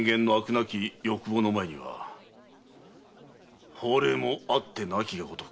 なき欲望の前には法令もあってなきがごとくか。